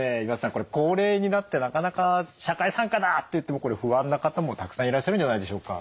これ高齢になってなかなか社会参加だっていっても不安な方もたくさんいらっしゃるんじゃないでしょうか。